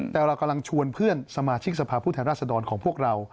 แต่เรากำลังชวนเพื่อนสมาชิกสภาพผู้แทนราษฎรของพวกเรา